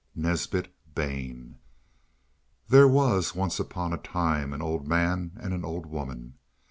NESBIT BAIN There was once upon a time an old man and an old woman.